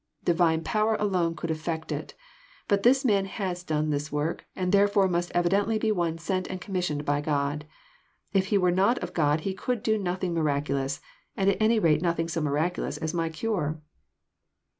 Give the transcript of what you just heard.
DlTtne power alone could effect it. But this Man has done this work, and therefore must evidently i be one sent and commissioned by God. If He were not of God I He could do nothing miraculous, and at any rate nothing so I miraculous as my cure.'!